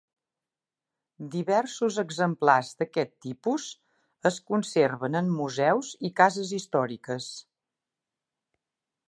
Diversos exemplars d'aquest tipus es conserven en museus i cases històriques.